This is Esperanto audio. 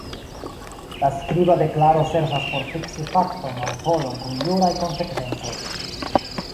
La skriba deklaro servas por fiksi fakton aŭ volon kun juraj konsekvencoj.